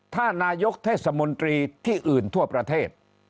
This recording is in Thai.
ถ้านายกเทศมนตรีที่อื่นทั่วประเทศ